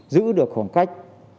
giữ được khoảng cách của đặc sá và đặc sá